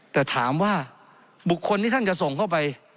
แต่ถามว่าบุคคลที่ท่านจะส่งเข้าไป